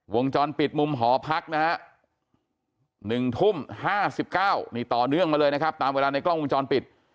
วงจรปิดมุมหอพักนะฮะ๑ทุ่ม๕๙นี่ต่อเนื่องมาเลยนะครับตามเวลาในกล้องวงจรปิด